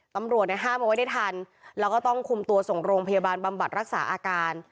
ตำรวจเนี่ยห้ามเอาไว้ได้ทันแล้วก็ต้องคุมตัวส่งโรงพยาบาลบำบัดรักษาอาการ